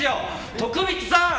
徳光さん！